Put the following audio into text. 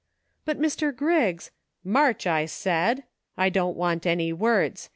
"But Mr. Griggs "—" March ! I said. I don't want any words.